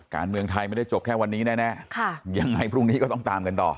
การเมืองไทยไม่ได้จบแค่วันนี้แน่ยังไงพรุ่งนี้ก็ต้องตามกันต่อ